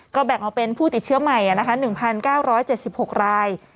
ก็แบ่งออกเป็นผู้ติดเชื้อใหม่๑๙๗๖ราย